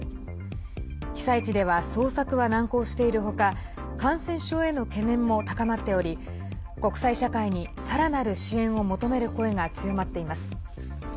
被災地では捜索が難航している他感染症への懸念も高まっており国際社会に、さらなる支援を求める声が強まっています。